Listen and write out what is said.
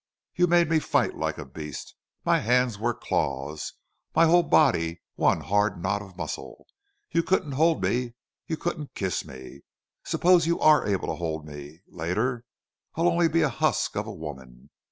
You made me fight like a beast. My hands were claws my whole body one hard knot of muscle. You couldn't hold me you couldn't kiss me.... Suppose you ARE able to hold me later. I'll only be the husk of a woman.